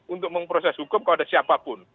untuk memproses hukum kalau ada siapapun